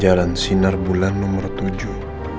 siaran sinar bulan nomor tujuh